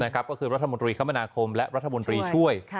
ก็คือรัฐมนตรีคมนาคมและรัฐมนตรีช่วย